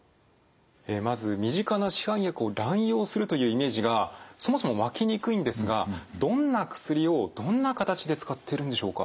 まず身近な市販薬を乱用するというイメージがそもそも湧きにくいんですがどんな薬をどんな形で使ってるんでしょうか？